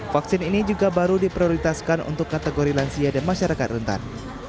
vaksin ini juga baru diprioritaskan untuk kategori lansia dan masyarakat rentan